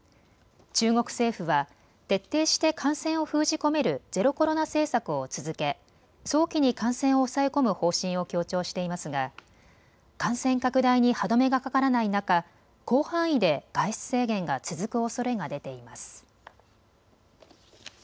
中国政府は徹底して感染を封じ込めるゼロコロナ政策を続け早期に感染を抑え込む方針を強調していますが感染拡大に歯止めがかからない中、広範囲で外出制限が続くおそれが出ています。